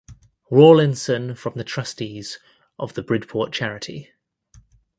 Rawlinson from the trustees of the Bridport Charity.